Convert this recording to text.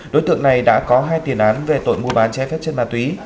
đối tượng này đã có hai tiền án về tội mua bán trái phép chất ma túy